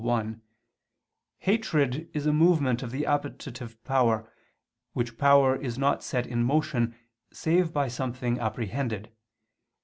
1), hatred is a movement of the appetitive power, which power is not set in motion save by something apprehended.